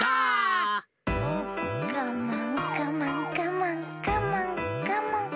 うっがまんがまんがまんがまんがまん。